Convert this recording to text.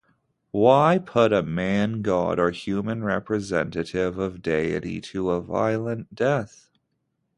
Why put a man-god or human representative of deity to a violent death.